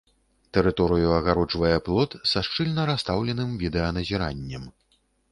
Тэрыторыю агароджвае плот са шчыльна расстаўленым відэаназіраннем.